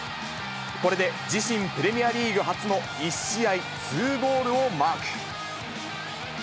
これで自身プレミアリーグ初の１試合２ゴールをマーク。